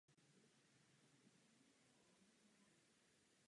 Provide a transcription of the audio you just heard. Dalším bodem jsou jednominutové projevy.